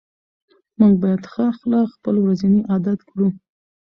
موږ باید ښه اخلاق خپل ورځني عادت کړو